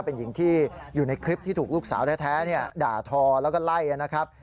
เป็นหญิงที่อยู่ในคลิปที่ถูกลูกสาวแท้ด่าทอแล้วก็ไล่นะครับ